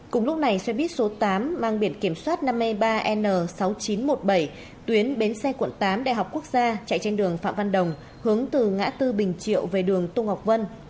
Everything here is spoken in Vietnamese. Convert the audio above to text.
cùng lúc này xe buýt số tám mang biển kiểm soát năm mươi ba n sáu nghìn chín trăm một mươi bảy tuyến bến xe quận tám đại học quốc gia chạy trên đường phạm văn đồng hướng từ ngã tư bình triệu về đường tô ngọc vân